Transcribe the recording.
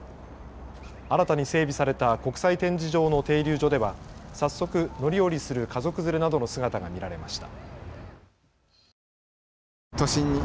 新たに整備された国際展示場の停留所では早速乗り降りする家族連れなどの姿が見られました。